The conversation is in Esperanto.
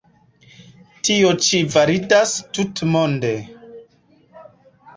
Tio ĉi validas tutmonde.